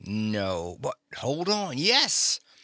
No! But, hold on — yes!